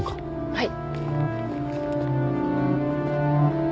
はい。